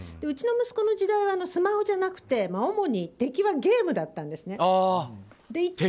うちの息子の時代はスマホじゃなくて主に敵はゲームだったんですね。